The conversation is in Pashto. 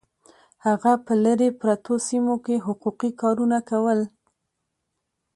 هغه په لرې پرتو سیمو کې حقوقي کارونه کول